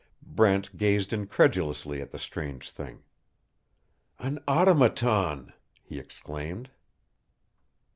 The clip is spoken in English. Brent gazed incredulously at the strange thing. "An automaton!" he exclaimed.